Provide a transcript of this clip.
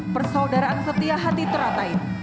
persaudaraan setia hati teratai